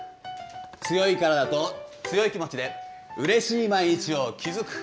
強い体と強い気持ちでうれしい毎日を築く。